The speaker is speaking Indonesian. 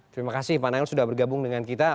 terima kasih pak nail sudah bergabung dengan kita